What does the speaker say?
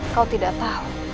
kau tidak tahu